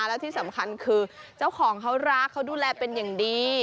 และที่สำคัญคือเจ้าของเขารักเขาดูแลเป็นอย่างดี